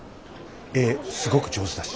絵すごく上手だし。